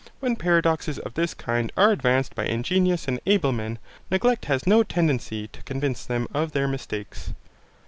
When paradoxes of this kind are advanced by ingenious and able men, neglect has no tendency to convince them of their mistakes.